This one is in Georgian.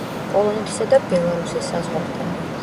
პოლონეთისა და ბელარუსის საზღვართან.